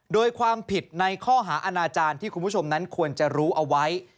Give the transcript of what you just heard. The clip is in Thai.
โดยความผิดในข้อหาอาณาจารย์ที่คุณผู้ชมนั้นควรจะรู้เอาไว้